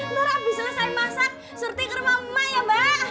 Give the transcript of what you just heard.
nanti habis selesai masak surti ke rumah mbak ya mbak